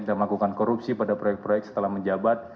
dan melakukan korupsi pada proyek proyek setelah menjabat